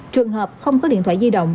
trường hợp không có điện thoại di động